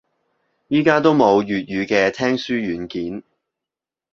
而家都冇粵語嘅聽書軟件